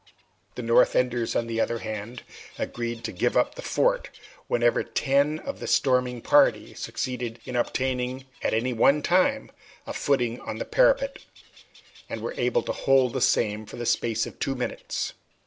The North Enders, on the other hand, agreed to give up the fort whenever ten of the storming party succeeded in obtaining at one time a footing on the parapet, and were able to hold the same for the space of two minutes.